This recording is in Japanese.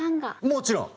もちろん！